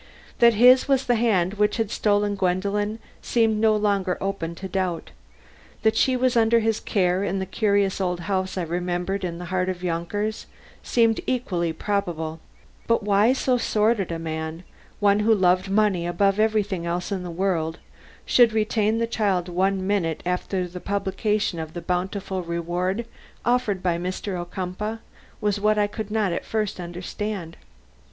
That his was the hand which had stolen Gwendolen seemed no longer open to doubt. That she was under his care in the curious old house I remembered in the heart of Yonkers, seemed equally probable; but why so sordid a man one who loved money above everything else in the world should retain the child one minute after the publication of the bountiful reward offered by Mr. Ocumpaugh, was what I could not at first understand.